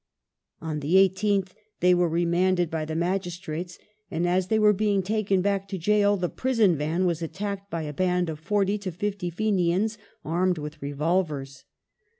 On the 18th they were remanded by the magistrates, and as they were being taken back to gaol the prison van was attacked by a band of forty to fifty Fenians armed with revolvers.